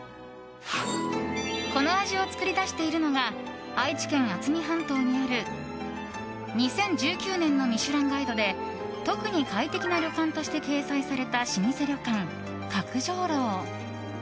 この味を作り出しているのが愛知県渥美半島にある２０１９年の「ミシュランガイド」で特に快適な旅館として掲載された老舗旅館、角上楼。